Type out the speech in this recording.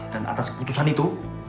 dan atas keputusan itu